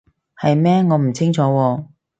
係咩？我唔清楚喎